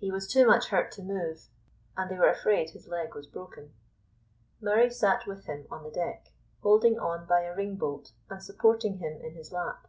He was too much hurt to move, and they were afraid his leg was broken. Murray sat with him on the deck, holding on by a ring bolt and supporting him in his lap.